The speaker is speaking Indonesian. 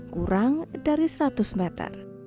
kurang dari seratus meter